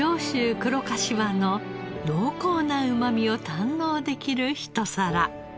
黒かしわの濃厚なうまみを堪能できるひと皿。